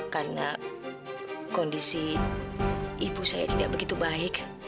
karena kondisi ibu saya tidak begitu baik